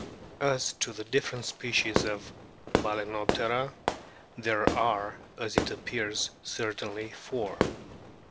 As to the different species of Bal&noptera there are, as it appears, certainly four.